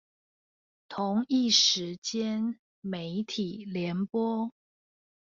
同一時間媒體聯播